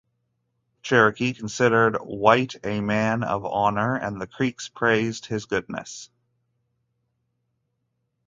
The Cherokee considered White a man of honor, and the Creeks praised his goodness.